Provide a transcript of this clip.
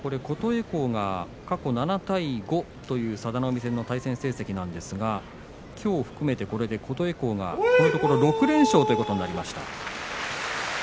琴恵光が過去７対５という佐田の海戦の対戦成績なんですがきょうを含めてこれで琴恵光がこのところ６連勝ということになりました。